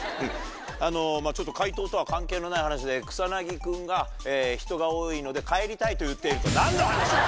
あのまぁちょっと解答とは関係のない話で草薙君が「人が多いので帰りたい」と言っていると。